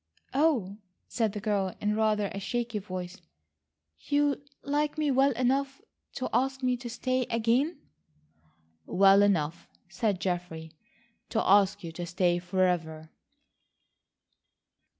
"Oh," said the girl in rather a shaky voice, "you like me well enough to ask me to stay again?" "Well enough," said Geoffrey, "to ask you to stay forever."